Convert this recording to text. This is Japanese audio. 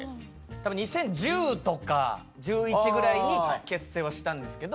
たぶん２０１０年とか２０１１年ぐらいに結成はしたんですけど。